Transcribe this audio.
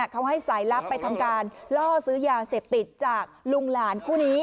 เขาให้สายลับไปทำการล่อซื้อยาเสพติดจากลุงหลานคู่นี้